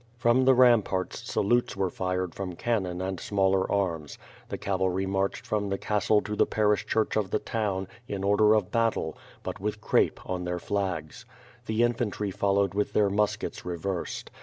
From the riiiiipaits salutes vcre fired from cannon and smaller arms: tlie cavalry marched from the castle to the parish cliurch of the town, in order of hattle, but with crepe on their flags. The infantry followed with their muskets re versed.